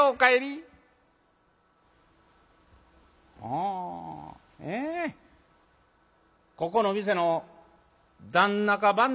「あここの店の旦那か番頭か。